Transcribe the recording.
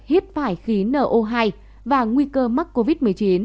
hiếp phải khí no hai và nguy cơ mắc covid một mươi chín